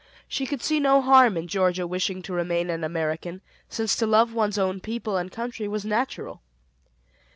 She could see no harm in Georgia wishing to remain an American, since to love one's own people and country was natural.